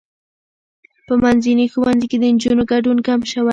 په منځني ښوونځي کې د نجونو ګډون کم شوی.